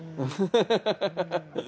ハハハハ！